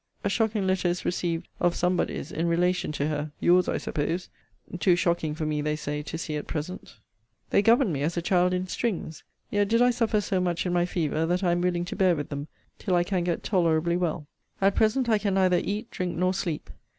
A shocking letter is received of somebody's in relation to her your's, I suppose too shocking for me, they say, to see at present.* * See Letter XXV. of this volume. They govern me as a child in strings; yet did I suffer so much in my fever, that I am willing to bear with them, till I can get tolerably well. At present I can neither eat, drink, nor sleep.